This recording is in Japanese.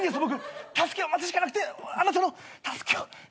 助けを待つしかなくてあなたの助けを。